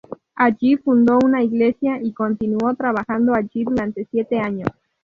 Allí fundó una iglesia y continuó trabajando allí durante siete años.